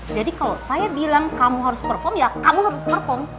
jadi kalau saya bilang kamu harus perform ya kamu harus perform